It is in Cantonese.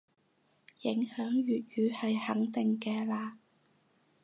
影響粵語係肯定嘅嘞